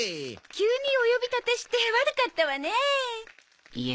急にお呼び立てして悪かったわねえ。